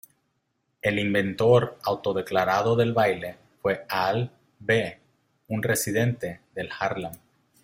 El inventor auto-declarado del baile fue "Al B", un residente de Harlem.